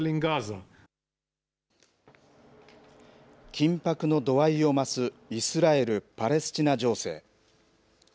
緊迫の度合いを増すイスラエル・パレスチナ情勢。